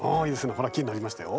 ほら木になりましたよ。